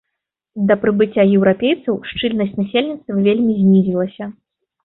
Да прыбыцця еўрапейцаў шчыльнасць насельніцтва вельмі знізілася.